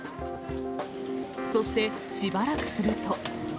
そしてしばらくすると。